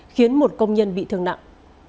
khiến một công nhân bị thương nặng